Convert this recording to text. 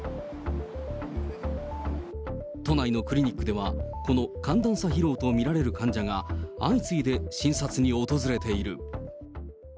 都内のクリニックでは、この寒暖差疲労とみられる患者が、相次いで診察に訪れている。